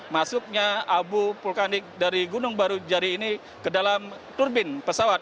masuknya abu kulkandik dari gunung barujari ini ke dalam turbin pesawat